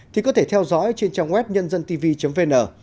thì có thể theo dõi trên trang web nhândântv vn